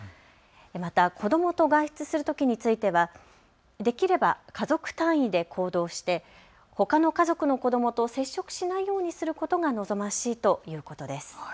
また、子どもと外出するときについては、できれば家族単位で行動してほかの家族の子どもと接触しないようにすることが望ましいということです。